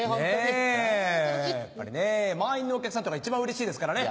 やっぱり満員のお客さんってのが一番うれしいですからね。